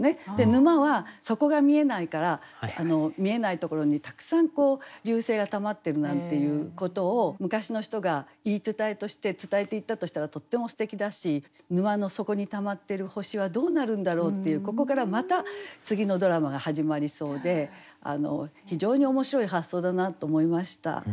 沼は底が見えないから見えないところにたくさん流星がたまってるなんていうことを昔の人が言い伝えとして伝えていったとしたらとってもすてきだし沼の底にたまってる星はどうなるんだろうっていうここからまた次のドラマが始まりそうで非常に面白い発想だなと思いました。